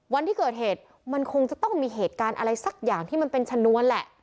วันที่เกิดเหตุมันคงจะต้องมีเหตุการณ์อะไรสักอย่างที่มันเป็นชนวนแหละ